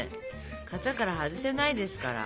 型から外せないですから。